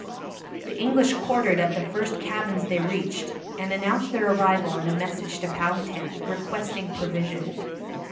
The English quartered at the first cabins they reached, and announced their arrival in a message to Powhatan, requesting provision.